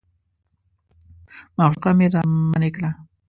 معشوقه مې رامنې کړه.